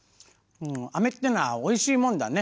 あめっていうのはおいしいもんだね。